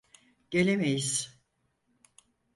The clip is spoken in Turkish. Gelemeyiz.